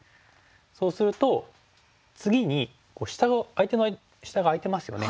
そうすると次に相手の下が空いてますよね。